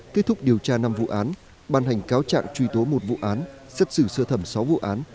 kết thúc điều tra năm vụ án ban hành cáo trạng truy tố một vụ án xét xử sơ thẩm sáu vụ án